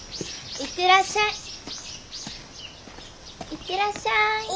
行ってらっしゃい。